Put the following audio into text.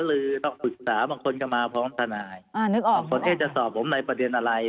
เราออกหมายเรียกไป